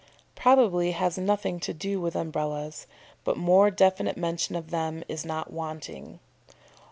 "] probably has nothing to do with Umbrellas, but more definite mention of them is not wanting.